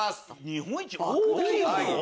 日本一大きいもの？